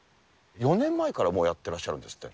４年前からもうやってらっしゃるんですって。